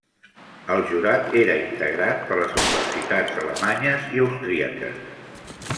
El jurat era integrat per les universitats alemanyes i austríaques.